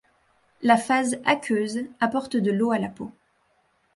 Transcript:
La phase aqueuse apporte de l'eau à la peau.